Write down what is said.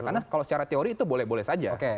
karena kalau secara teori itu boleh boleh saja